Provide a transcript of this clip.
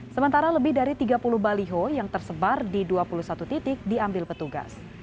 sementara lebih dari tiga puluh baliho yang tersebar di dua puluh satu titik diambil petugas